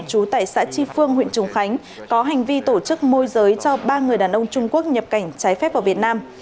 chú tại xã tri phương huyện trùng khánh có hành vi tổ chức môi giới cho ba người đàn ông trung quốc nhập cảnh trái phép vào việt nam